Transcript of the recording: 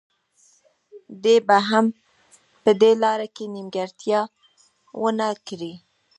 دی به هم په دې لاره کې نیمګړتیا ونه کړي.